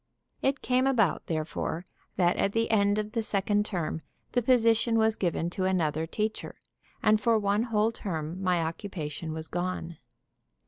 It came about, therefore, that at the end of the second term the position was given to another teacher, and for one whole term my occupation was gone.